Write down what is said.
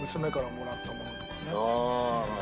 ああ。